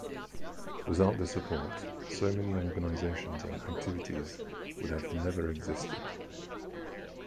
Without their support so many organisations and activities would never have existed.